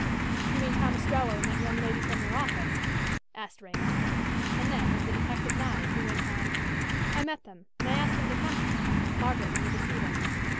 "You mean Tom Ostrello and that young lady from your office?" asked Raymond. And then, as the detective nodded, he went on: "I met them, and I asked them to come here. Margaret wanted to see them."